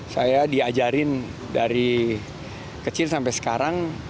saya diajarin dari kecil sampai sekarang